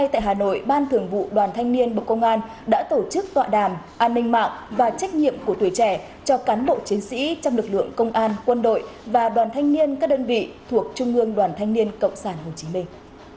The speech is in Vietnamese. tại hà nội ban thường vụ đoàn thanh niên bộ công an đã tổ chức tọa đàm an ninh mạng và trách nhiệm của tuổi trẻ cho cán bộ chiến sĩ trong lực lượng công an quân đội và đoàn thanh niên các đơn vị thuộc trung ương đoàn thanh niên cộng sản hồ chí minh